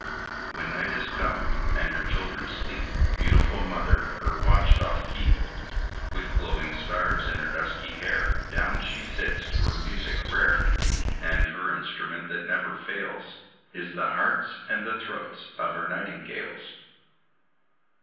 When night is come, and her children sleep, Beautiful mother her watch doth keep; With glowing stars in her dusky hair Down she sits to her music rare; And her instrument that never fails, Is the hearts and the throats of her nightingales.